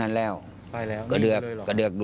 ไปแล้วนี้เลยหรอ